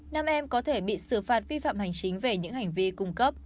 nam em có thể bị xử phạt vi phạm hành chính về những hành vi cung cấp